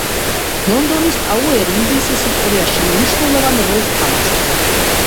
ლონდონის ტაუერი ინგლისის ისტორიაში მნიშვნელოვან როლს თამაშობდა.